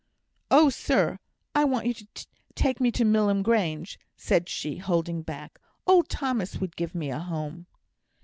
"Oh, sir! I want you to take me to Milham Grange," said she, holding back. "Old Thomas would give me a home."